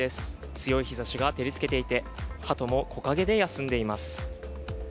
強い日ざしが照りつけていてはとも木陰で休んでいます。